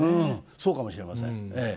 そうかもしれませんええ。